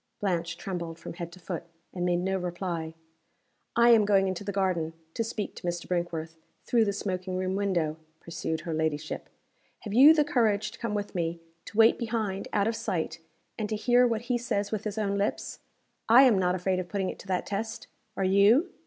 Blanche trembled from head to foot, and made no reply. "I am going into the garden, to speak to Mr. Brinkworth through the smoking room window," pursued her ladyship. "Have you the courage to come with me; to wait behind out of sight; and to hear what he says with his own lips? I am not afraid of putting it to that test. Are you?"